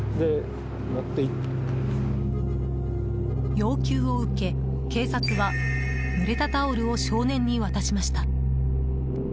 要求を受け、警察はぬれたタオルを少年に渡しました。